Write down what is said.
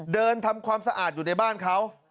เดินทำความสะอาดอยู่ในบ้านเขา